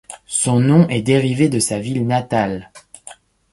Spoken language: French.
Son nom est dérivé de sa ville natale.